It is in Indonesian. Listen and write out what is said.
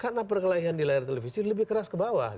karena perkelainan di layar televisi lebih keras ke bawah